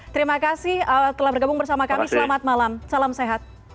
terima kasih telah bergabung bersama kami selamat malam salam sehat